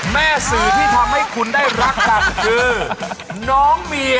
แม่สื่อที่ทำให้คุณได้รักกันคือน้องเมีย